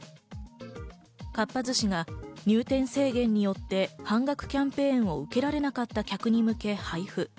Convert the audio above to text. かっぱ寿司が入店制限によって半額キャンペーンを受けられなかった客に向け配布。